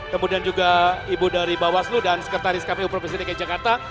kemudian juga ibu dari bawaslu dan sekretaris kpu provinsi dki jakarta